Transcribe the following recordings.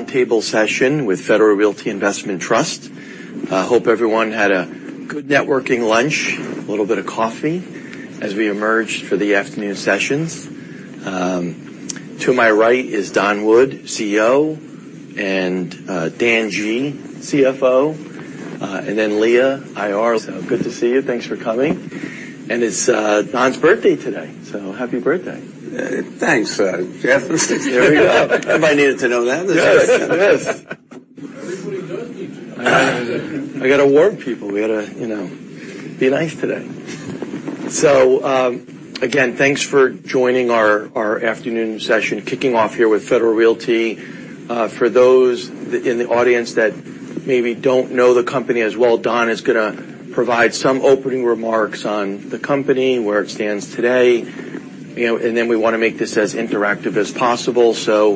Round table session with Federal Realty Investment Trust. I hope everyone had a good networking lunch, a little bit of coffee as we emerged for the afternoon sessions. To my right is Don Wood, CEO, and Dan Gee, CFO, and then Leah, IR. So good to see you. Thanks for coming. And it's Don's birthday today, so happy birthday! Thanks, Jeff. There we go. Everybody needed to know that. Yes. Yes. Everybody does need to know. I got to warn people. We got to, you know, be nice today. So, again, thanks for joining our afternoon session, kicking off here with Federal Realty. For those in the audience that maybe don't know the company as well, Don is going to provide some opening remarks on the company, where it stands today, you know, and then we want to make this as interactive as possible. So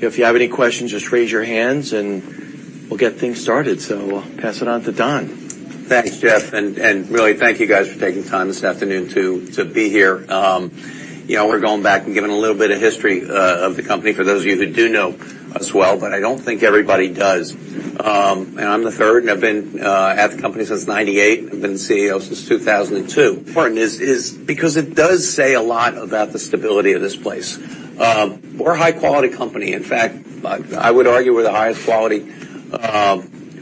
if you have any questions, just raise your hands, and we'll get things started. So I'll pass it on to Don. Thanks, Jeff, and really, thank you guys for taking time this afternoon to be here. You know, we're going back and giving a little bit of history of the company for those of you who do know us well, but I don't think everybody does. And I'm the third, and I've been at the company since 1998. I've been CEO since 2002. Important is because it does say a lot about the stability of this place. We're a high-quality company. In fact, I would argue we're the highest quality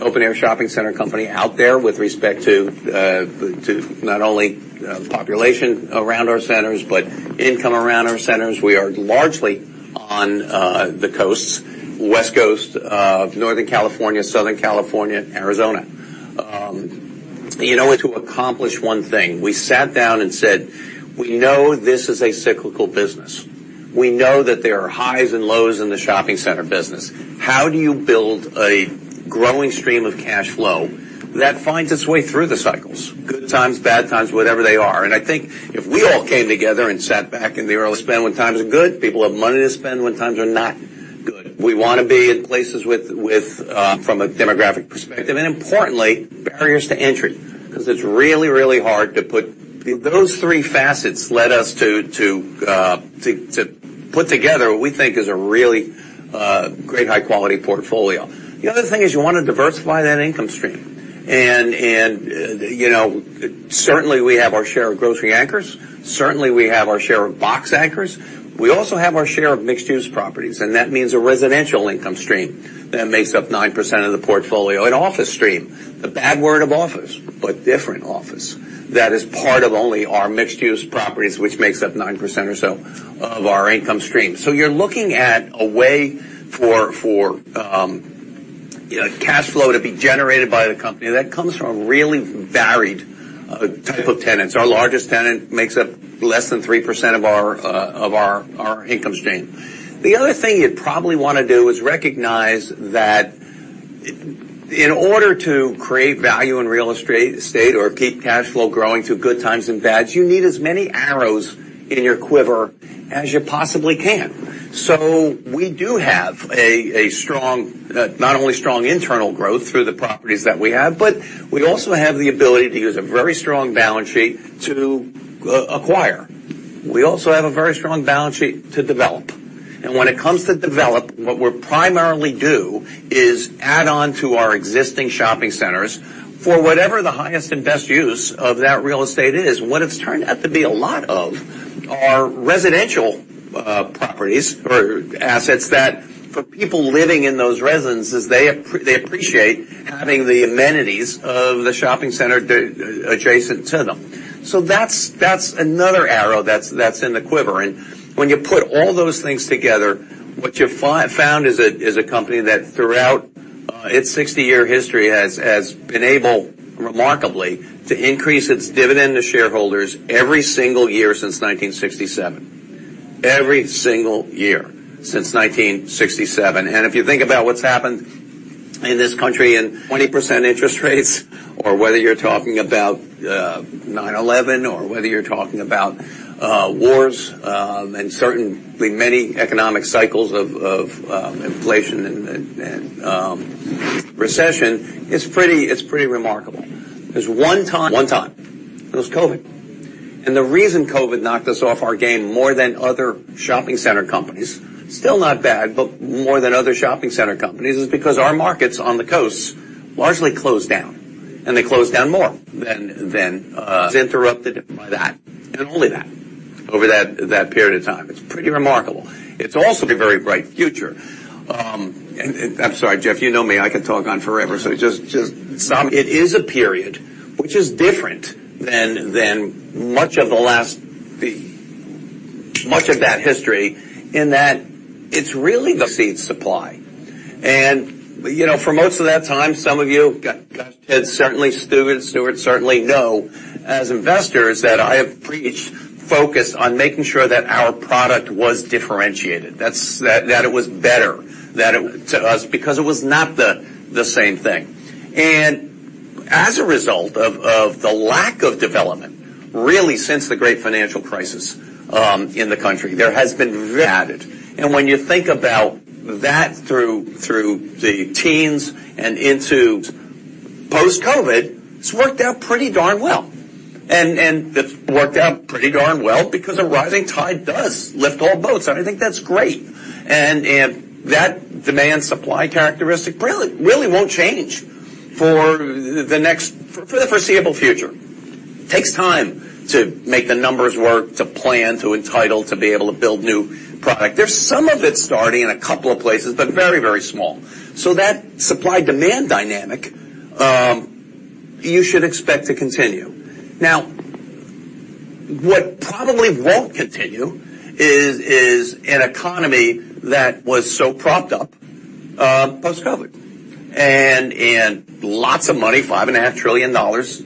open-air shopping center company out there with respect to not only population around our centers but income around our centers. We are largely on the coasts, West Coast, Northern California, Southern California, and Arizona. You know, and to accomplish one thing, we sat down and said: We know this is a cyclical business. We know that there are highs and lows in the shopping center business. How do you build a growing stream of cash flow that finds its way through the cycles? Good times, bad times, whatever they are. And I think if we all came together and sat back in the early 1970s, when times are good, people have money to spend, when times are not good. We want to be in places with, from a demographic perspective, and importantly, barriers to entry, because it's really, really hard to put. Those three facets led us to to put together what we think is a really great high-quality portfolio. The other thing is you want to diversify that income stream. You know, certainly we have our share of grocery anchors. Certainly, we have our share of box anchors. We also have our share of mixed-use properties, and that means a residential income stream that makes up 9% of the portfolio, an office stream, the bad word of office, but different office. That is part of only our mixed-use properties, which makes up 9% or so of our income stream, so you're looking at a way for cash flow to be generated by the company that comes from a really varied type of tenants. Our largest tenant makes up less than 3% of our income stream. The other thing you'd probably want to do is recognize that in order to create value in real estate or keep cash flow growing through good times and bad, you need as many arrows in your quiver as you possibly can. So we do have a strong not only strong internal growth through the properties that we have, but we also have the ability to use a very strong balance sheet to acquire. We also have a very strong balance sheet to develop. And when it comes to develop, what we primarily do is add on to our existing shopping centers for whatever the highest and best use of that real estate is. What it's turned out to be a lot of are residential properties or assets that for people living in those residences, they appreciate having the amenities of the shopping center adjacent to them. So that's another arrow that's in the quiver. And when you put all those things together, what you found is a company that throughout its sixty-year history has been able, remarkably, to increase its dividend to shareholders every single year since 1967. Every single year, since 1967. And if you think about what's happened in this country, in 20% interest rates, or whether you're talking about 9/11, or whether you're talking about wars, and certainly many economic cycles of inflation and recession, it's pretty remarkable. There's one time, it was COVID. The reason COVID knocked us off our game more than other shopping center companies, still not bad, but more than other shopping center companies, is because our markets on the coasts largely closed down, and they closed down more than that. Was interrupted by that and only that over that period of time. It's pretty remarkable. It's also a very bright future. I'm sorry, Jeff, you know me, I could talk on forever. It is a period which is different than much of the last, much of that history, in that it's really the seed supply. You know, for most of that time, some of you and certainly Stuart certainly know, as investors, that I have preached focus on making sure that our product was differentiated, that's, that it was better, that it.... To us, because it was not the same thing. And as a result of the lack of development, really, since the great financial crisis, in the country, there has been added. And when you think about that through the teens and into post-COVID, it's worked out pretty darn well. And it's worked out pretty darn well because a rising tide does lift all boats, and I think that's great. And that demand, supply characteristic really won't change for the foreseeable future. Takes time to make the numbers work, to plan, to entitle, to be able to build new product. There's some of it starting in a couple of places, but very small. So that supply-demand dynamic, you should expect to continue. Now, what probably won't continue is an economy that was so propped up post-COVID. And lots of money, $5.5 trillion,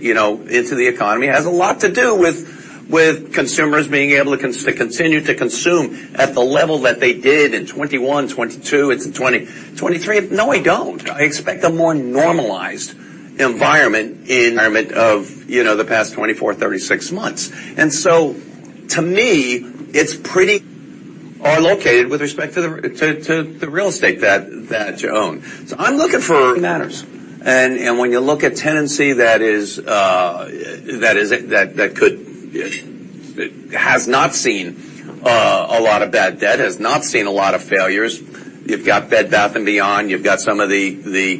you know, into the economy, has a lot to do with consumers being able to continue to consume at the level that they did in 2021, 2022, into 2023. No, I don't. I expect a more normalized environment of, you know, the past 24, 36 months. And so to me, it's pretty Are located with respect to the real estate that you own. So I'm looking for matters. And when you look at tenancy that is that could Has not seen a lot of bad debt, has not seen a lot of failures. You've got Bed Bath & Beyond, you've got some of the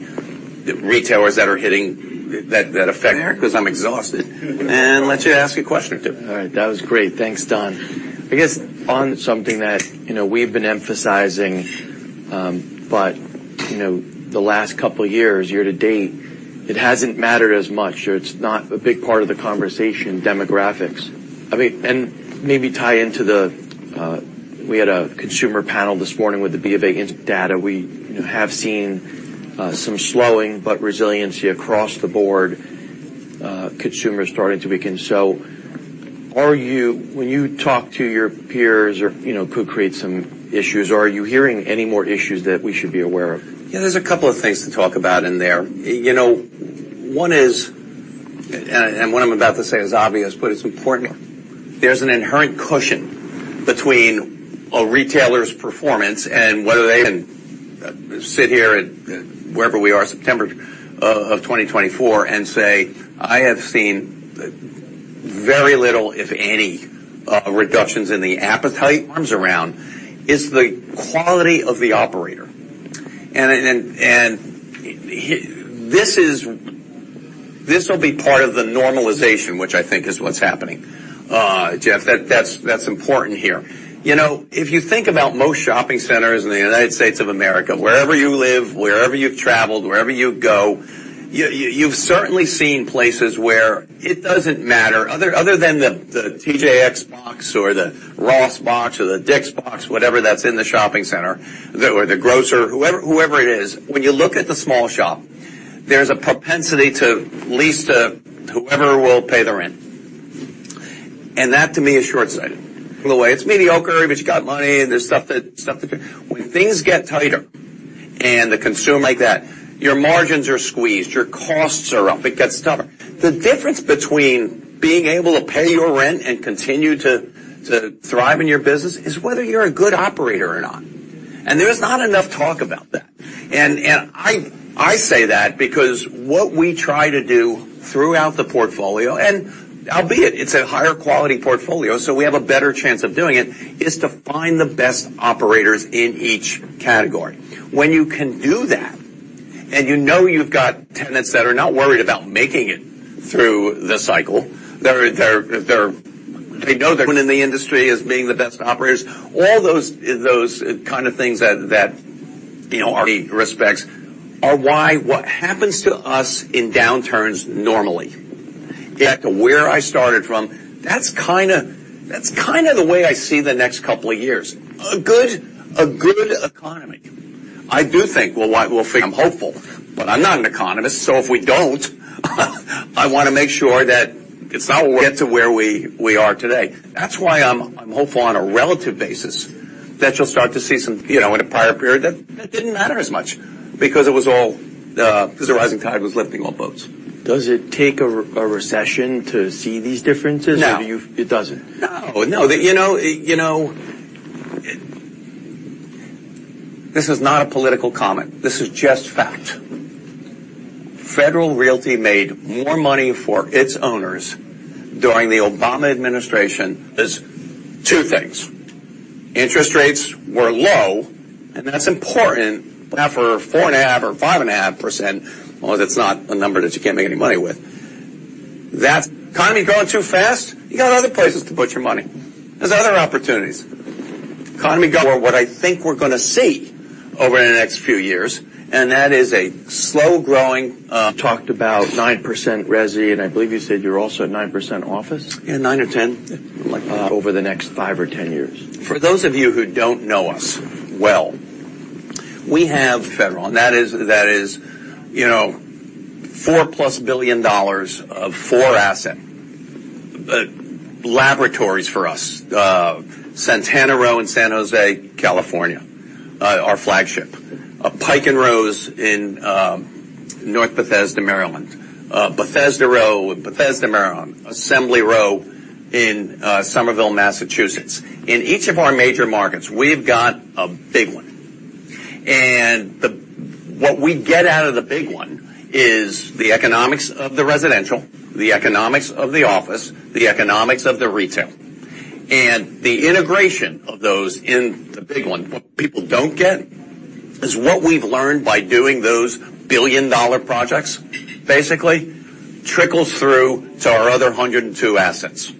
retailers that are hitting, that affect... Because I'm exhausted, and let you ask a question, too. All right. That was great. Thanks, Don. I guess on something that, you know, we've been emphasizing, but, you know, the last couple of years, year to date, it hasn't mattered as much, or it's not a big part of the conversation: demographics. I mean, and maybe tie into the, we had a consumer panel this morning with the BofA data. We, you know, have seen, some slowing, but resiliency across the board, consumers starting to begin. So are you-- when you talk to your peers or, you know, could create some issues, are you hearing any more issues that we should be aware of? Yeah, there's a couple of things to talk about in there. You know, one is, what I'm about to say is obvious, but it's important. There's an inherent cushion between a retailer's performance and whether they can sit here at, at wherever we are, September of 2024, and say, "I have seen very little, if any, reductions in the appetite." Arms around is the quality of the operator. And this is, this will be part of the normalization, which I think is what's happening, Jeff, that's important here. You know, if you think about most shopping centers in the United States of America, wherever you live, wherever you've traveled, wherever you go, you've certainly seen places where it doesn't matter other than the TJX box or the Ross box or the Dick's box, whatever that's in the shopping center, or the grocer, whoever it is, when you look at the small shop, there's a propensity to lease to whoever will pay the rent. And that, to me, is short-sighted. By the way, it's mediocre, but you got money, and there's stuff that... When things get tighter and the consumer like that, your margins are squeezed, your costs are up, it gets tougher. The difference between being able to pay your rent and continue to thrive in your business is whether you're a good operator or not. There is not enough talk about that. I say that because what we try to do throughout the portfolio, and albeit it's a higher quality portfolio, so we have a better chance of doing it, is to find the best operators in each category. When you can do that, and you know you've got tenants that are not worried about making it through the cycle, they're. They know they're in the industry as being the best operators. All those kind of things that you know are aspects are why what happens to us in downturns normally. Get to where I started from, that's kind of the way I see the next couple of years. A good economy. I do think, well, I'm hopeful, but I'm not an economist, so if we don't, I want to make sure that it's not get to where we are today. That's why I'm hopeful on a relative basis, that you'll start to see some, you know, in a prior period, that didn't matter as much because it was all because the rising tide was lifting all boats. Does it take a recession to see these differences? No. It doesn't. No, no. You know, you know, this is not a political comment. This is just fact. Federal Realty made more money for its owners during the Obama administration. There's two things: Interest rates were low, and that's important. After 4.5% or 5.5%, well, that's not a number that you can't make any money with. That's economy growing too fast, you got other places to put your money. There's other opportunities. Economy grow. Or what I think we're going to see over the next few years, and that is a slow-growing, Talked about 9% resi, and I believe you said you're also at 9% office? Yeah, 9% or 10%. Over the next five or 10 years. For those of you who don't know us well, we have Federal, and that is, you know, $4+ billion of our Big Four. Santana Row in San Jose, California, our flagship. Pike & Rose in North Bethesda, Maryland. Bethesda Row, Bethesda, Maryland. Assembly Row in Somerville, Massachusetts. In each of our major markets, we've got a big one, and what we get out of the big one is the economics of the residential, the economics of the office, the economics of the retail, and the integration of those in the big one. What people don't get is what we've learned by doing those billion-dollar projects, basically, trickles through to our other 102 assets.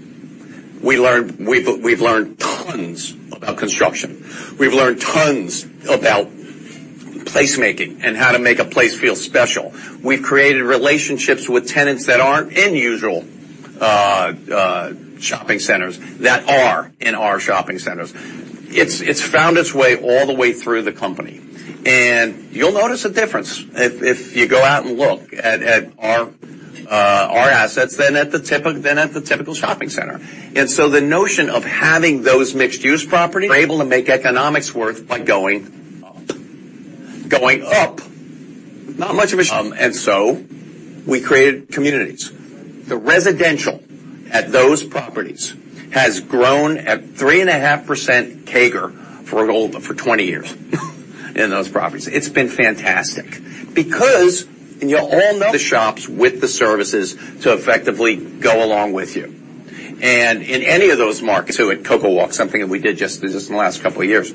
We've learned tons about construction. We've learned tons about placemaking and how to make a place feel special. We've created relationships with tenants that aren't in usual shopping centers, that are in our shopping centers. It's found its way all the way through the company, and you'll notice a difference if you go out and look at our assets than at the typical shopping center, and so the notion of having those mixed use properties, we're able to make economics worth by going up. Going up, not much of a--, and so we created communities. The residential at those properties has grown at 3.5% CAGR for over 20 years in those properties. It's been fantastic because, and you'll all know. The shops with the services to effectively go along with you. And in any of those markets, so at CocoWalk, something that we did just in the last couple of years,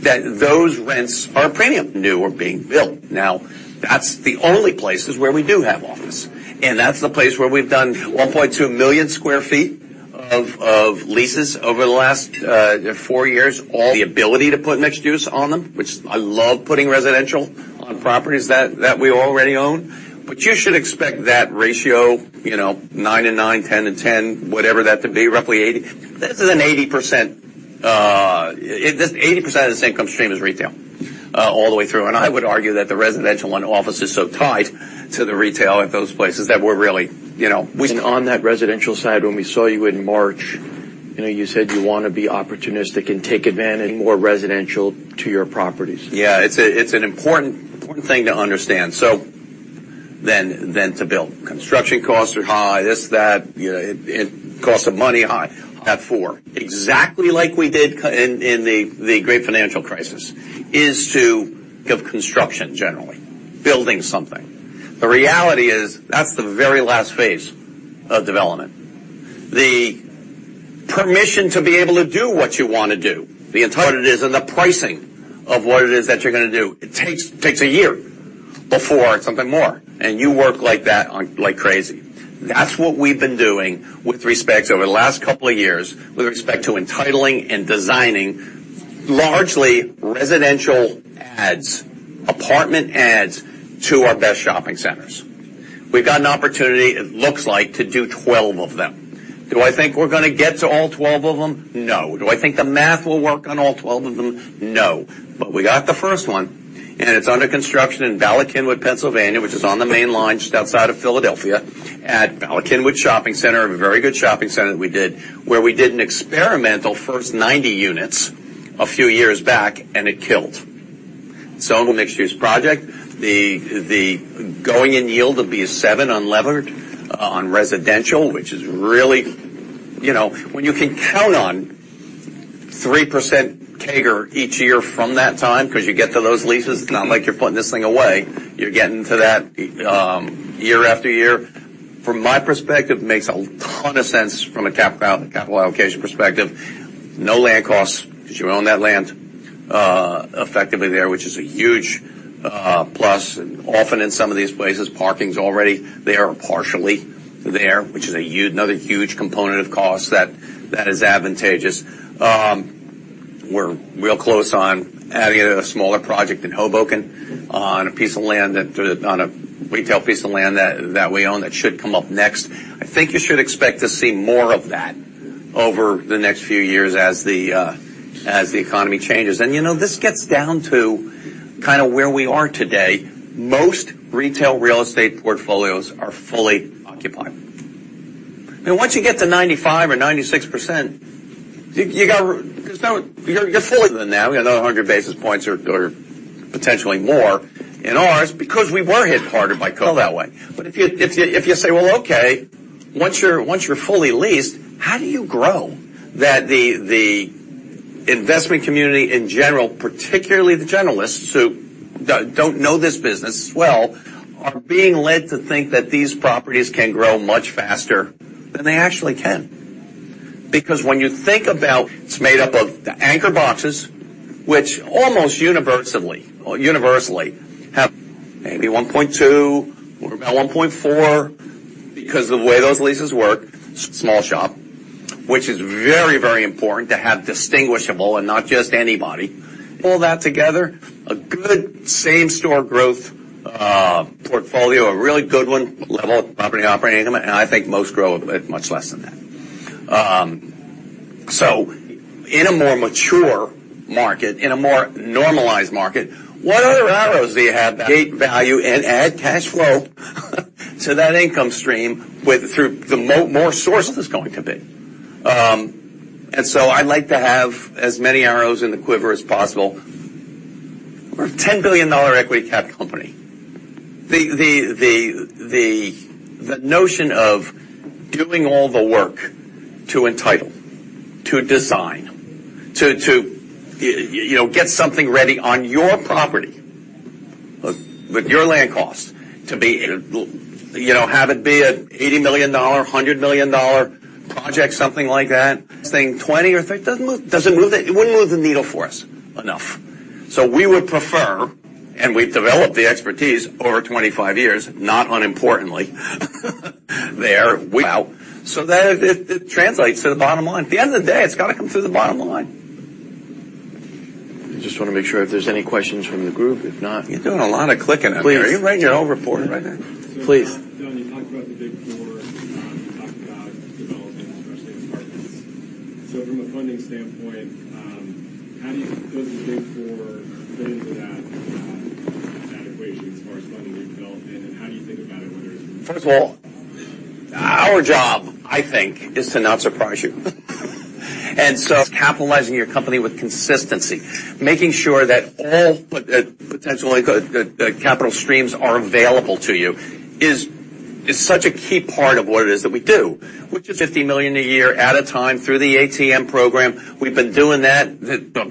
that those rents are premium. New or being built. Now, that's the only places where we do have office, and that's the place where we've done 1.2 million sq ft of leases over the last four years. The ability to put mixed-use on them, which I love putting residential on properties that we already own. But you should expect that ratio, you know, nine and nine, 10 and 10, whatever that to be, roughly 80. This is an 80% of the income stream is retail all the way through. And I would argue that the residential and office is so tied to the retail at those places that we're really, you know, we- On that residential side, when we saw you in March, you know, you said you want to be opportunistic and take advantage, more residential to your properties. Yeah, it's an important thing to understand, rather than to build. Construction costs are high, cost of money high at 4%. Exactly like we did cut in the great financial crisis, is to cut construction generally, building something. The reality is, that's the very last phase of development. The permission to be able to do what you want to do, the entitlement it is, and the pricing of what it is that you're going to do, it takes a year or more, and you work on that like crazy. That's what we've been doing over the last couple of years, with respect to entitling and designing largely residential adds, apartment adds to our best shopping centers. We've got an opportunity, it looks like, to do 12 of them. Do I think we're gonna get to all 12 of them? No. Do I think the math will work on all 12 of them? No. But we got the first one, and it's under construction in Bala Cynwyd, Pennsylvania, which is on the Main Line, just outside of Philadelphia, at Bala Cynwyd Shopping Center, a very good shopping center that we did, where we did an experimental first 90 units a few years back, and it killed. So a mixed-use project, the going in yield will be a 7% unlevered on residential, which is really--- You know, when you can count on 3% CAGR each year from that time, because you get to those leases, it's not like you're putting this thing away. You're getting to that, year after year. From my perspective, makes a ton of sense from a capital allocation perspective. No land costs, because you own that land effectively there, which is a huge plus. Often in some of these places, parking's already there or partially there, which is another huge component of cost that is advantageous. We're real close on adding a smaller project in Hoboken on a piece of land on a retail piece of land that we own that should come up next. I think you should expect to see more of that over the next few years as the economy changes. And you know this gets down to kind of where we are today. Most retail real estate portfolios are fully occupied. Now once you get to 95% or 96% you got there's no you're fully there. Now, we got another 100 basis points or potentially more in ours, because we were hit harder by COVID that way. But if you say, "Well, okay, once you're fully leased, how do you grow?" The investment community in general, particularly the generalists, who don't know this business well, are being led to think that these properties can grow much faster than they actually can. Because when you think about... It's made up of the anchor boxes, which almost universally, or universally, have maybe 1.2 or about 1.4, because the way those leases work, small shop, which is very, very important to have distinguishable and not just anybody. Pull that together, a good same store growth, portfolio, a really good one, level of property operating income, and I think most grow a bit much less than that. So in a more mature market, in a more normalized market, what other arrows do you have that create value and add cash flow to that income stream with, through more sources is going to be. And so I'd like to have as many arrows in the quiver as possible. We're a $10 billion equity cap company. The notion of doing all the work to entitle, to design, to you know, get something ready on your property, with your land costs, to be, you know, have it be an $80 million, $100 million project, something like that, saying $20 or $30, doesn't move the needle for us enough. So we would prefer, and we've developed the expertise over 25 years, not unimportantly, there, wow! So that it translates to the bottom line. At the end of the day, it's got to come through the bottom line. I just want to make sure if there's any questions from the group. If not- You're doing a lot of clicking up there. Please, are you writing your own report right there? Please. John, you talked about the Big Four, you talked about development, especially in apartments. So from a funding standpoint, how do you, does the Big Four fit into that equation as far as funding new development, and how do you think about it whether it's- First of all, our job, I think, is to not surprise you. And so capitalizing your company with consistency, making sure that all potentially the capital streams are available to you is such a key part of what it is that we do. Which is $50 million a year at a time through the ATM program. We've been doing that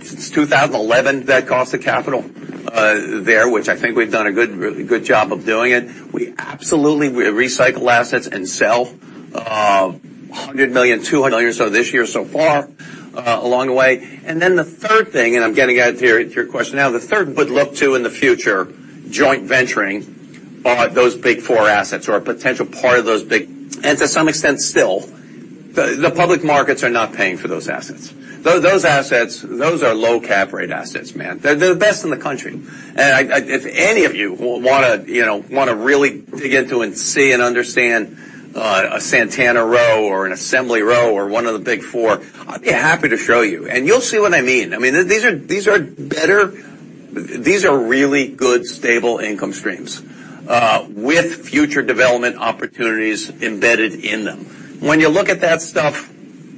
since 2011. That cost of capital there, which I think we've done a good, really good job of doing it. We absolutely we recycle assets and sell $100 million-$200 million so this year so far along the way. And then the third thing, and I'm getting out to your, to your question now, the third would look to in the future, joint venturing those Big Four assets or a potential part of those big, and to some extent, still, the public markets are not paying for those assets. Those assets are low cap rate assets, man. They're the best in the country. And I, if any of you wanna, you know, wanna really dig into and see and understand a Santana Row or an Assembly Row or one of the Big Four, I'd be happy to show you, and you'll see what I mean. I mean, these are better. These are really good, stable income streams with future development opportunities embedded in them. When you look at that stuff,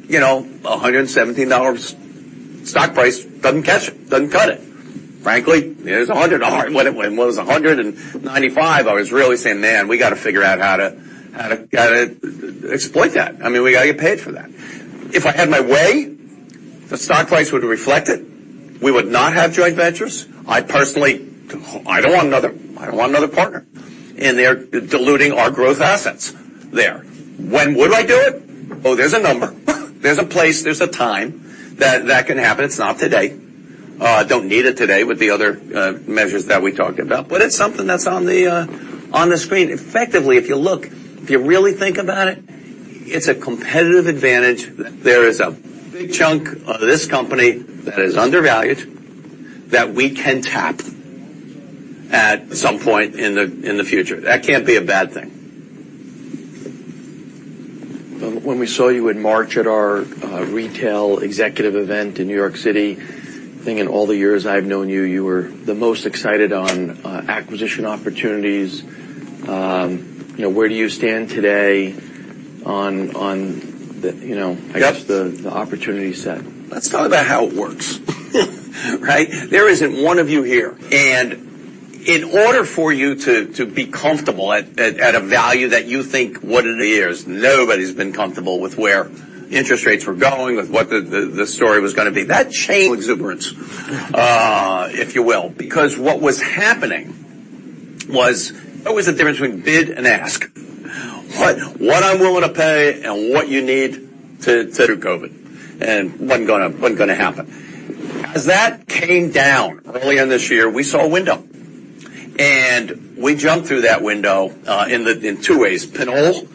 you know, a $117 stock price doesn't catch it, doesn't cut it. Frankly, it was a $100. When it was a $195, I was really saying, "Man, we got to figure out how to, how to, gotta exploit that. I mean, we got to get paid for that." If I had my way, the stock price would reflect it. We would not have joint ventures. I personally, I don't want another, I don't want another partner, and they're diluting our growth assets there. When would I do it? Oh, there's a number, there's a place, there's a time that that can happen. It's not today. Don't need it today with the other measures that we talked about, but it's something that's on the screen. Effectively, if you look, if you really think about it, it's a competitive advantage. There is a big chunk of this company that is undervalued, that we can tap at some point in the future. That can't be a bad thing. When we saw you in March at our retail executive event in New York City, I think in all the years I've known you, you were the most excited on acquisition opportunities. You know, where do you stand today on the, you know- Yes. I guess, the opportunity set? Let's talk about how it works. Right? There isn't one of you here, and in order for you to be comfortable at a value that you think what it is, nobody's been comfortable with where interest rates were going, with what the story was gonna be. That change exuberance, if you will, because what was happening was, there was a difference between bid and ask. What I'm willing to pay and what you need to do COVID, and wasn't gonna happen. As that came down early on this year, we saw a window, and we jumped through that window, in two ways. Pinole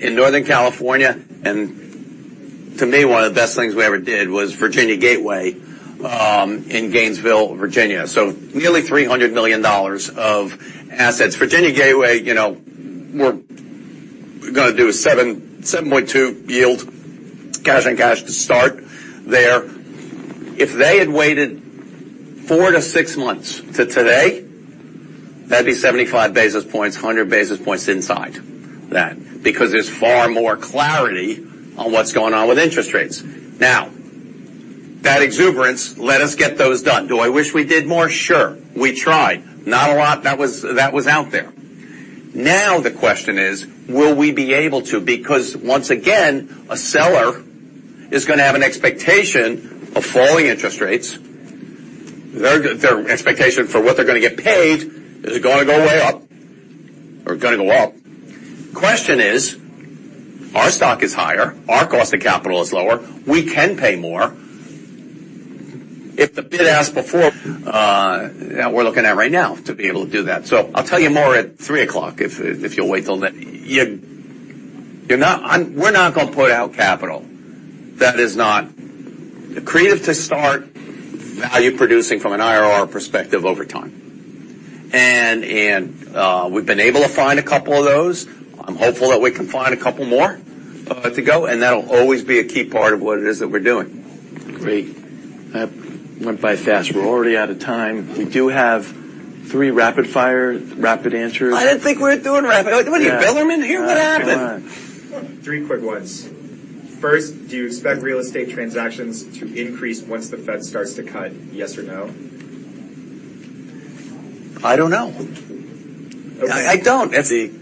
in Northern California, and to me, one of the best things we ever did was Virginia Gateway in Gainesville, Virginia. So nearly $300 million of assets. Virginia Gateway, you know, we're gonna do a 7.2 yield, cash on cash to start there. If they had waited 4-6 months to today, that'd be 75 basis points, 100 basis points inside that, because there's far more clarity on what's going on with interest rates. Now, that exuberance, let us get those done. Do I wish we did more? Sure. We tried. Not a lot that was out there. Now, the question is, will we be able to? Because once again, a seller is gonna have an expectation of falling interest rates. Their expectation for what they're gonna get paid is gonna go way up, or gonna go up. Question is, our stock is higher, our cost of capital is lower, we can pay more. If the bid-ask before we're looking at right now to be able to do that. So I'll tell you more at 3:00 P.M., if you'll wait till then. We're not gonna put out capital that is not accretive to create value producing from an IRR perspective over time. We've been able to find a couple of those. I'm hopeful that we can find a couple more to go, and that'll always be a key part of what it is that we're doing. Great. That went by fast. We're already out of time. We do have three rapid-fire, rapid answers. I didn't think we were doing rapid. What, are you Bellarmine here? What happened? Come on. Three quick ones. First, do you expect real estate transactions to increase once the Fed starts to cut? Yes or no? I don't know. Okay. I don't. It's-